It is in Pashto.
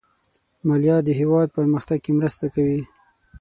مالیه د هېواد پرمختګ کې مرسته کوي.